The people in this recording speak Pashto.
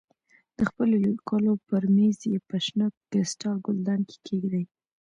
د خپلو لیکلو پر مېز یې په شنه کریسټال ګلدان کې کېږدې.